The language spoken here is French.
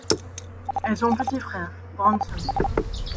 Elles ont un petit frère, Branson.